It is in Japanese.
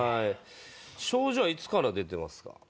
症状はいつから出てますか？